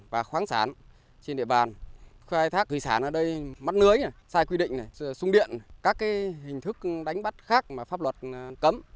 và khoáng sán trên địa bàn khai thác thủy sản ở đây mất lưới sai quy định xung điện các hình thức đánh bắt khác mà pháp luật cấm